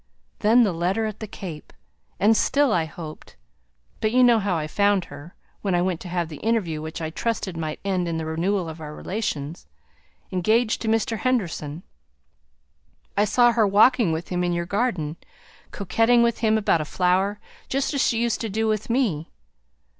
Then the letter at the Cape! and still I hoped. But you know how I found her, when I went to have the interview which I trusted might end in the renewal of our relations, engaged to Mr. Henderson. I saw her walking with him in your garden, coquetting with him about a flower, just as she used to do with me.